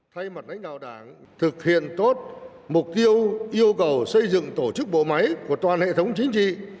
thay mặt lãnh đạo đảng thực hiện tốt mục tiêu yêu cầu xây dựng tổ chức bộ máy của toàn hệ thống chính trị